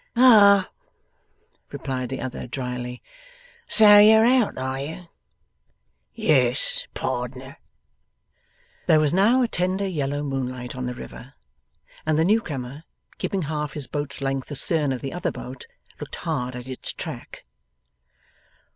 'Ah!' replied the other, drily. 'So you're out, are you?' 'Yes, pardner.' There was now a tender yellow moonlight on the river, and the new comer, keeping half his boat's length astern of the other boat looked hard at its track.